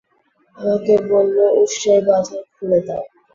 আমাকে বলল, উষ্ট্রের বাঁধন খুলে দাও।